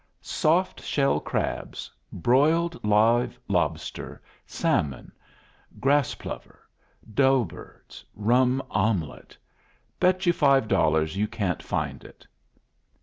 "Soft shell crabs, broiled live lobster, salmon, grass plover, dough birds, rum omelette. Bet you five dollars you can't find it."